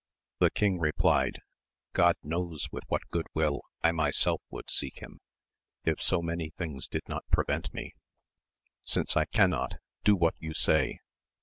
The king replied, God knows with what good will jl myself would seek him, if so many things did not prevent me, since I cannot, do what you say.